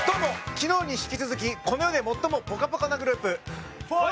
昨日に引き続き最もぽかぽかなグループ